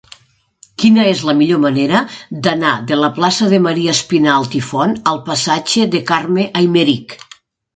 Quina és la millor manera d'anar de la plaça de Maria Espinalt i Font al passatge de Carme Aymerich?